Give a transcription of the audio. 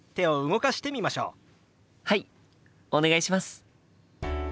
はいお願いします。